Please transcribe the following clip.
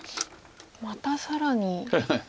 また更に。